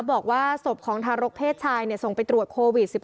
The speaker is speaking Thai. บอกว่าศพของทารกเพศชายส่งไปตรวจโควิด๑๙